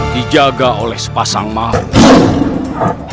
dijaga oleh sepasang mahal